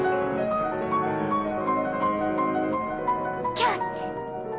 キャッチ！